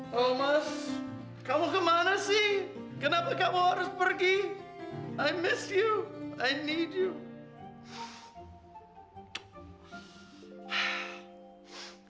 thomas kamu kemana sih kenapa kamu harus pergi aku rindu kamu aku butuhmu